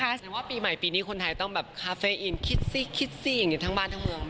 แสดงว่าปีใหม่ปีนี้คนไทยต้องแบบคาเฟ่ออินคิดซี่คิดซี่อย่างนี้ทั้งบ้านทั้งเมือง